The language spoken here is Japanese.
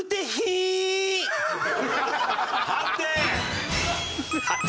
判定！